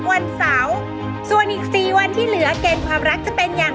วันเสาร์ส่วนอีก๔วันที่เหลือเกณฑ์ความรักจะเป็นอย่าง